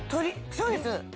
そうです。